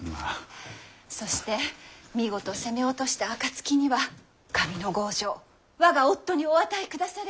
そして見事攻め落とした暁には上ノ郷城我が夫にお与えくだされ！